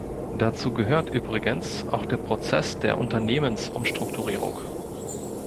Dazu gehört übrigens auch der Prozess der Unternehmensumstrukturierung.